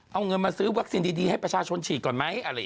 เอาเงินมาซื้อวัคซินดีให้ประชาชนฉีดก่อนไหม